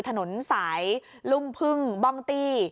ถนนสายลุ่มพึ่งบ้องตี้